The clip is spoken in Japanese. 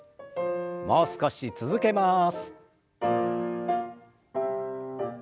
もう少し続けます。